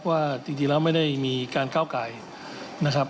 ว่าจริงแล้วไม่ได้มีการก้าวไก่นะครับ